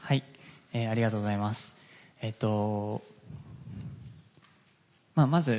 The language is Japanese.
ありがとうございます。